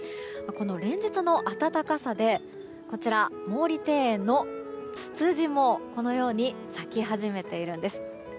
連日の暖かさで毛利庭園のツツジもこのように咲き始めているんです。